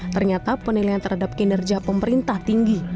ternyata penilaian terhadap kinerja pemerintah tinggi